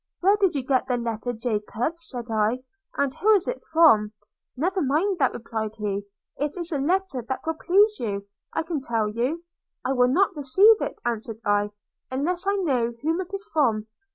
'Where did you get the letter, Jacob?' said I; 'and who is it from?' – 'Never mind that,' replied he, 'it is a letter that will please you, I can tell you.' – 'I will not receive it,' answered I, 'unless I know whom it is from.'